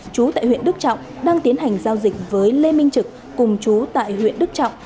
chú tại huyện đức trọng đang tiến hành giao dịch với lê minh trực cùng chú tại huyện đức trọng